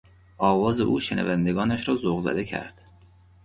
آواز او شنوندگانش را ذوق زده کرد.